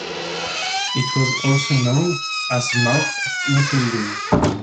It was also known as Mouth of Little Lynn.